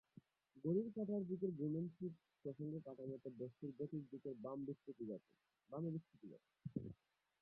ঘড়ির কাটার দিকে ঘূর্ণনশীল প্রসঙ্গ কাঠামোতে, বস্তুর গতির দিকের বামে বিচ্যুতি ঘটে।